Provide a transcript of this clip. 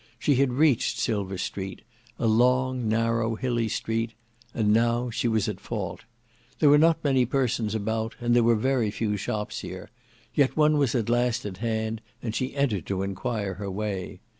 She had reached Silver Street; a long, narrow, hilly Street; and now she was at fault. There were not many persons about, and there were few shops here; yet one was at last at hand, and she entered to enquire her way.